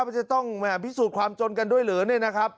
มันจะต้องพิสูจน์ความจนกันด้วยหรือเนี่ยนะครับ